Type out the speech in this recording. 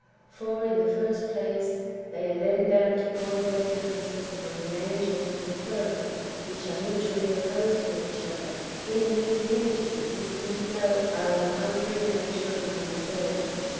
For, in the first place, they are then bound to point out differences among the angels of the Pleroma, which are mutually opposed to each other, even as the images existing, below are of a contrary nature among themselves.